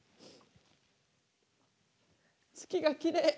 月がきれい。